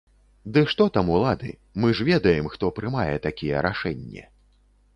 Ды што там улады, мы ж ведаем, хто прымае такія рашэнне.